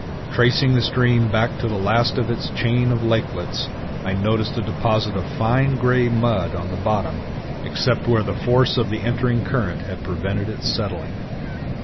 Tracing the stream back to the last of its chain of lakelets, I noticed a deposit of fine gray mud on the bottom except where the force of the entering current had prevented its settling.